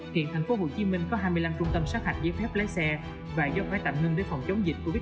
hiện thành phố hồ chí minh có hai mươi năm trung tâm sát hạch giấy phép lái xe và do phải tạm ngưng đến phòng chống dịch covid một mươi chín